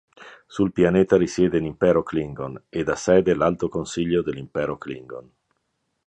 Sul pianeta risiede "l'Imperatore Klingon" ed ha sede "l'Alto Consiglio dell'Impero Klingon.